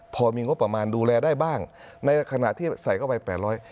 พอมีงบประมาณดูแลได้บ้างในขณะที่ใส่เข้าไปแปดร้อย